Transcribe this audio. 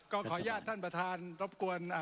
ขออนุญาตท่านประธานรบกวน